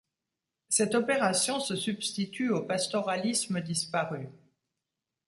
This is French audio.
Cette opération se substitue au pastoralisme disparu.